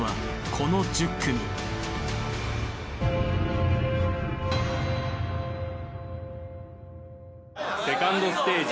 この１０組セカンドステージ